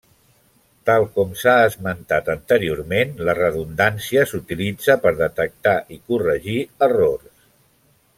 Tal com s'ha esmentat anteriorment la redundància s'utilitza per detectar i corregir errors.